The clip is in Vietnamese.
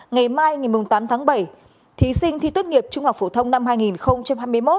ngày mai ngày tám tháng bảy thí sinh thi tốt nghiệp trung học phổ thông năm hai nghìn hai mươi một